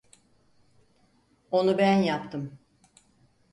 Onu ben yaptım.